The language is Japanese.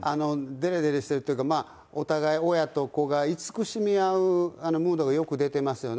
でれでれしてるというか、お互い親と子がいつくしみ合うムードがよく出てますよね。